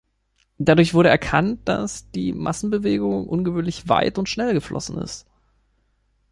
Dadurch wurde erkannt, dass die Massenbewegung ungewöhnlich weit und schnell geflossen ist.